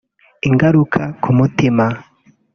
Ingaruka ku mutima